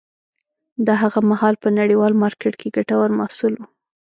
دا هغه مهال په نړیوال مارکېت کې ګټور محصول و.